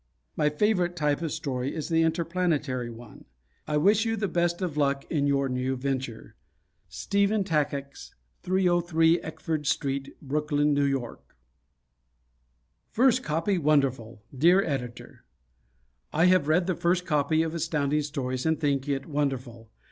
My favorite type of story is the interplanetary one. I wish you the best of luck in your new venture. Stephen Takacs, 303 Eckford Street, Brooklyn, N. Y. "First Copy Wonderful" Dear Editor: I have read the first copy of Astounding Stories and think it wonderful.